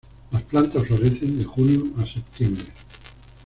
Las plantas florecen de junio a septiembre.